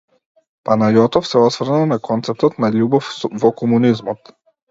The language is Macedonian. Панајотов се осврна на концептот на љубов во комунизмот.